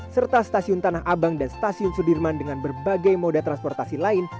serta stasiun tanah abang dan stasiun sudirman dengan berbagai moda transportasi lain